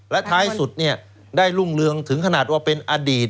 และท้ายสุดเนี่ยได้รุ่งเรืองถึงขนาดว่าเป็นอดีต